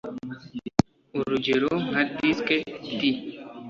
urugero nka Disc D